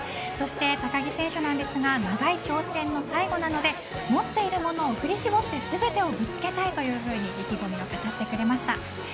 そして、高木選手なんですが長い挑戦の最後なので持っているものを振り絞って全てをぶつけたいと意気込みを語ってくれました。